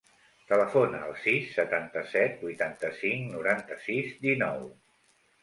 Telefona al sis, setanta-set, vuitanta-cinc, noranta-sis, dinou.